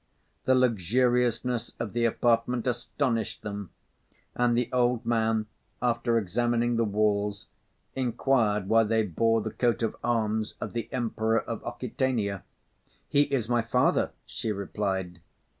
The luxuriousness of the apartment astonished them; and the old man, after examining the walls, inquired why they bore the coat of arms of the Emperor of Occitania. "He is my father," she replied.